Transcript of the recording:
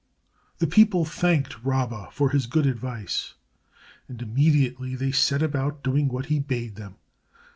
The people thanked Rabba for his good advice, and immediately they set about doing what he bade them.